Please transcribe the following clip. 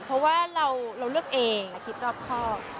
เพราะว่าเราเลือกเองคิดรอบครอบ